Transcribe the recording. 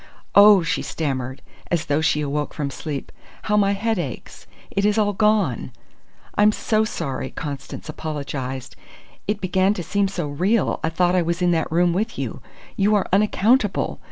"Oh!" she stammered, as though she awoke from sleep. "How my head aches! It is all gone!" "I'm so sorry!" Constance apologized. "It began to seem so real, I thought I was in that room with you. You are unaccountable!